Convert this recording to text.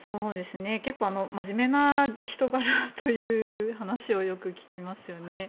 結構真面目な人柄という話をよく聞きますよね。